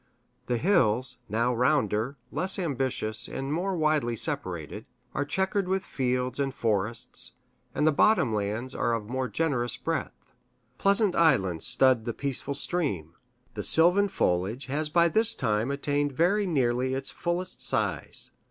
The hills, now rounder, less ambitious, and more widely separated, are checkered with fields and forests, and the bottom lands are of more generous breadth. Pleasant islands stud the peaceful stream. The sylvan foliage has by this time attained very nearly its fullest size.